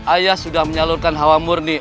ayah sudah menyalurkan hawa murni